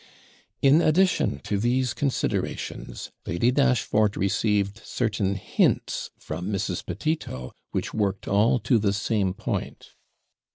In addition to these considerations, Lady Dashfort received certain hints from Mrs. Petito, which worked all to the same point.